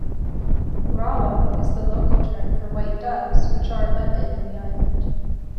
"Rawa" is the local term for white doves, which are abundant in the island.